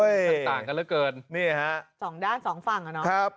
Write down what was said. ต่างต่างกันแล้วเกินนี่ฮะสองด้านสองฝั่งอ่ะเนอะครับ